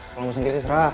kalau mau sendiri serah